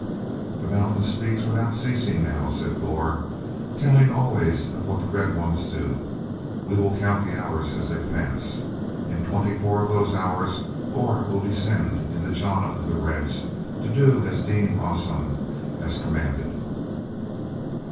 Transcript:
"The Mountain speaks without ceasing now," said Gor, "telling always of what the Red Ones do. We will count the hours as they pass. In twenty four of those hours Gor will descend in the jana of the Reds to do as Dean Rah Sun has commanded."